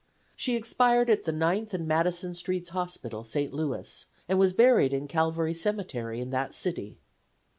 She expired at the Ninth and Madison Streets Hospital, St. Louis, and was buried in Calvary Cemetery, in that city.